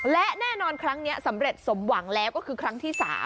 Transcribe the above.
และแน่นอนครั้งนี้สำเร็จสมหวังแล้วก็คือครั้งที่๓